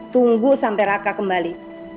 tunggu sampai raka kembali